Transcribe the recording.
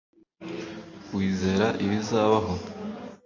wizera ibizabaho